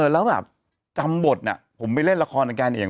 แล้วแบบจำบทผมไปเล่นละครกับแกอีก